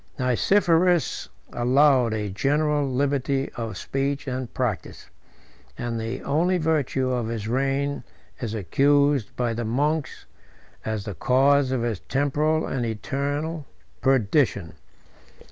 Nicephorus allowed a general liberty of speech and practice; and the only virtue of his reign is accused by the monks as the cause of his temporal and eternal perdition.